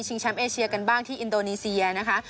แชมป์เอเชียกันบ้างที่อินโดนีเซียนะคะ